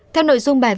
theo nội dung bài viết